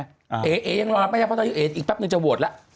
แล้วแฮชแท็กจะจะครีบแล้ว